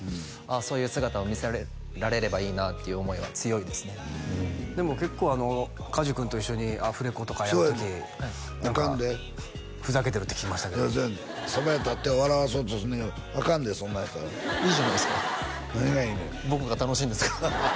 そういう姿を見せられればいいなっていう思いは強いですねでも結構梶君と一緒にアフレコとかやる時アカンでふざけてるって聞きましたけどそばへ立って笑わそうとすんねんアカンでそんなんしたらいいじゃないですか何がいいねん僕が楽しいんですからハハハ